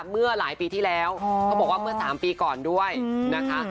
เมื่อหลายปีที่แล้วเขาบอกว่าเมื่อ๓ปีก่อนด้วยนะคะ